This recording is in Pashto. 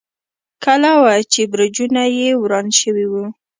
کلا وه، چې برجونه یې وران شوي و.